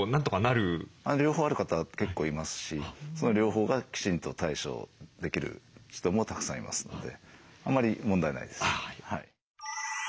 両方ある方は結構いますしその両方がきちんと対処できる人もたくさんいますのであんまり問題ないです。